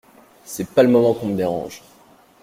C’est pas le moment qu’on me dérange.